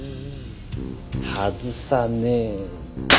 外さねえよ！